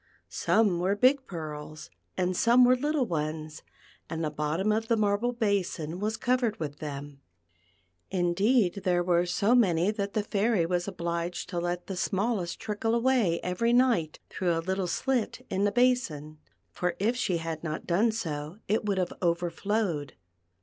Some were big pearls and some were little ones, and the bottom of the marble basin was covered with them. Indeed, there THE PEARL FOUNTAIN. 5 were so many that the Fairy was oblijjcd to let the smallest trickle away every night through a little slit in the basin ; for if she had not done so, it would have overflowed.